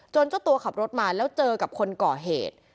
เจ้าตัวขับรถมาแล้วเจอกับคนก่อเหตุ